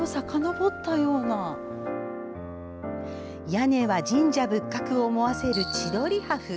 屋根は神社仏閣を思わせる千鳥破風。